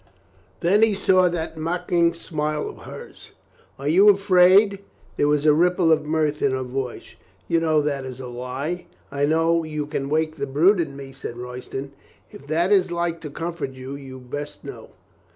Then he saw that mocking smile of hers. "Are you afraid?" There was a ripple of mirth in her voice. "You know that is a lie." "I know you can wake the brute in me," said Royston. "If that is like to comfort you, you best know."